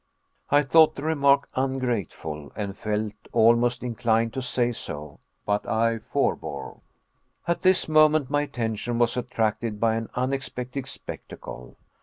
I thought the remark ungrateful, and felt almost inclined to say so; but I forbore. At this moment my attention was attracted by an unexpected spectacle.